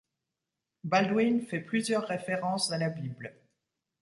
Baldwin fait plusieurs références à la Bible.